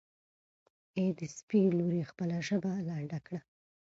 ای د سپي لورې خپله ژبه لنډه کړه.